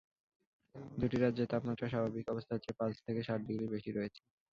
দুটি রাজ্যের তাপমাত্রা স্বাভাবিক অবস্থার চেয়ে পাঁচ থেকে সাত ডিগ্রি বেশি রয়েছে।